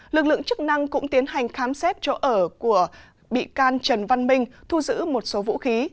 lực lượng chức năng cũng tiến hành khám xét chỗ ở của bị can trần văn minh thu giữ một số vũ khí